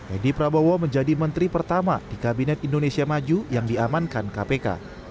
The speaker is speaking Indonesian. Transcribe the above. edi prabowo menjadi menteri pertama di kabinet indonesia maju yang diamankan kpk